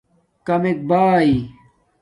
کامک باݵ